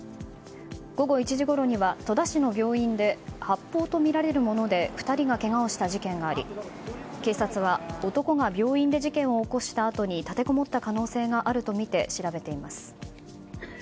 午後１時ごろには戸田市の病院で発砲とみられるもので２人がけがをした事件があり警察は、男が病院で事件を起こしたあとに立てこもった可能性があるとみて調べています。